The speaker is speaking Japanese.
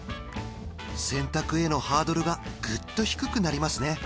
洗濯へのハードルがぐっと低くなりますね